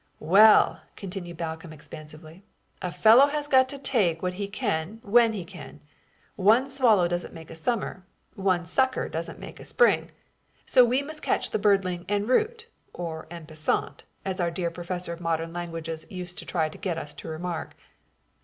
"Well," continued Balcomb, expansively, "a fellow has got to take what he can when he can. One swallow doesn't make a summer; one sucker doesn't make a spring; so we must catch the birdling en route or en passant, as our dear professor of modern languages used to try to get us to remark.